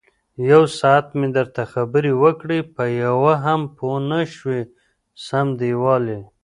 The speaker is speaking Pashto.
یوساعت مې درته خبرې وکړې، په یوه هم پوی نشوې سم دېوال یې.